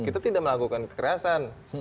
kita tidak melakukan kekerasan